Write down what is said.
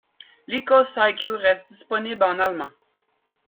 Lycos iQ reste disponible en allemand.